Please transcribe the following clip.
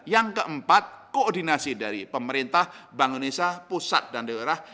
yang keempat koordinasi dari pemerintah bank indonesia pusat dan daerah